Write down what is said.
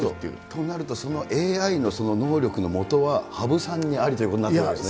となると、そのＡＩの能力のもとは、羽生さんにありということになってくるわけですね。